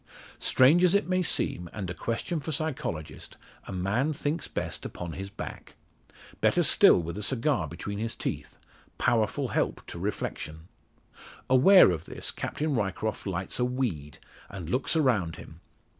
Strange as it may seem, and a question for psychologists, a man thinks best upon his back. Better still with a cigar between his teeth powerful help to reflection. Aware of this, Captain Ryecroft lights a "weed," and looks around him.